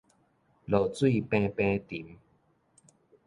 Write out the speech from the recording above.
落水平平沉